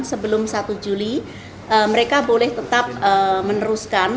sebelum satu juli mereka boleh tetap meneruskan